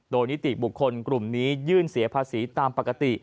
โดยนิติบุคคลกลุ่มนี้ยื่นเสียภาษีตามปกติ